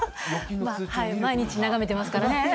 毎日眺めてますからね。